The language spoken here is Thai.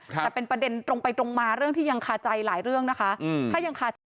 แต่เป็นประเด็นตรงไปตรงมาเรื่องที่ยังคาใจหลายเรื่องนะคะถ้ายังคาใจ